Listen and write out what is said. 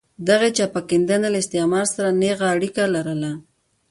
دغې چپه کېدنې له استعمار سره نېغه اړیکه لرله.